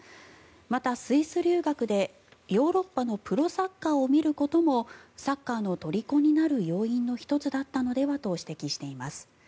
また、スイス留学でヨーロッパのプロサッカーを見ることもサッカーのとりこになる要因の１つだったのではと指摘しています。